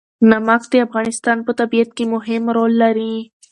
نمک د افغانستان په طبیعت کې مهم رول لري.